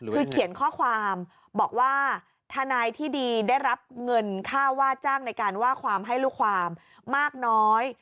คือเขียนข้อความบอกว่าทนายที่ดีได้รับเงินค่าว่าจ้างในการว่าความให้ลูกความมากน้อย